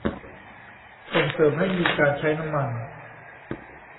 ส่งเสริมให้มีการใช้น้ำมัน